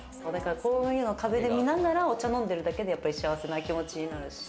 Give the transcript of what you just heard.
こういうのを壁で見ながらお茶飲んでるだけで幸せな気持ちになるし。